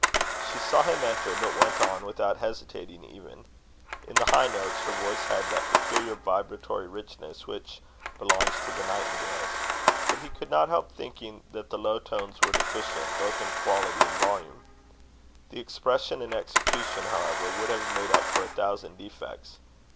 She saw him enter, but went on without hesitating even. In the high notes, her voice had that peculiar vibratory richness which belongs to the nightingale's; but he could not help thinking that the low tones were deficient both in quality and volume. The expression and execution, however, would have made up for a thousand defects.